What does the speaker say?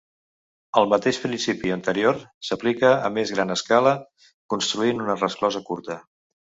El mateix principi anterior s'aplica a més gran escala construint una resclosa curta.